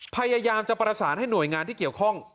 พยายามจะประสานให้หน่วยงานที่เกี่ยวข้อง